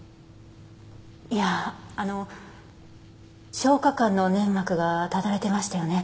いやあの消化管の粘膜がただれてましたよね？